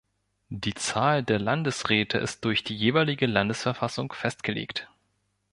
Die Zahl der Landesräte ist durch die jeweilige Landesverfassung festgelegt.